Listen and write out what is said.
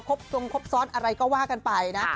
ทรงครบซ้อนอะไรก็ว่ากันไปนะ